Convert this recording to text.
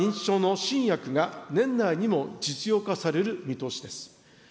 また認知症の新薬が年内にも実用化される見通しです。